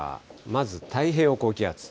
まず太平洋高気圧。